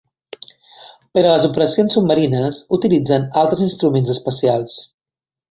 Per a les operacions submarines utilitzen altres instruments especials.